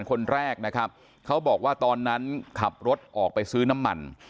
คนแรกนะครับเขาบอกว่าตอนนั้นขับรถออกไปซื้อน้ำมัน